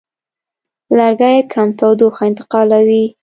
لرګي کم تودوخه انتقالوي.